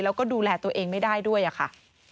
แล้วก็ดูแลตัวเองไม่ได้ด้วยค่ะ